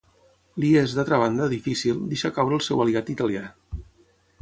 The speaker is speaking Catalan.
Li és, d'altra banda, difícil, deixar caure el seu aliat italià.